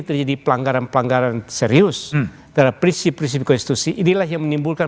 terjadi pelanggaran pelanggaran serius terhadap prinsip prinsip konstitusi inilah yang menimbulkan